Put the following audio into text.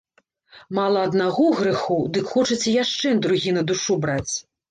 Мала аднаго грэху, дык хочаце яшчэ другі на душу браць!